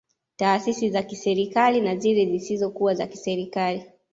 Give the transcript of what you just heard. Taasisi za kiserikali na zile zisizo kuwa za kiserikali